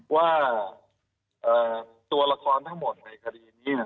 ว่าตัวละครทั้งหมดในคดีนี้